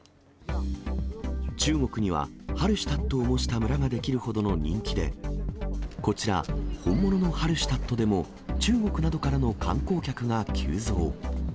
中国にはハルシュタットを模した村が出来るほどの人気で、こちら、本物のハルシュタットでも中国などからの観光客が急増。